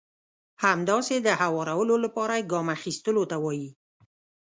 همداسې د هوارولو لپاره يې ګام اخيستلو ته وایي.